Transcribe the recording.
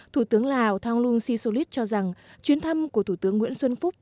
thủ tướng lào thang luong si solit cho rằng chuyến thăm của thủ tướng nguyễn xuân phúc